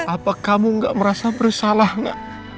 apa kamu gak merasa bersalah nggak